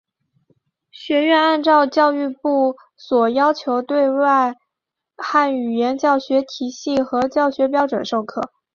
学院按照教育部所要求的对外汉语教学体系和教学标准授课。